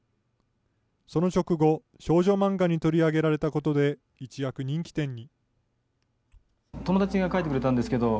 その直後、少女漫画に取り上げられたことで、一躍人気店に。